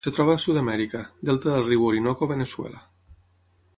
Es troba a Sud-amèrica: delta del riu Orinoco a Veneçuela.